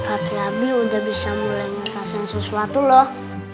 kaki abi udah bisa mulai ngasih sesuatu loh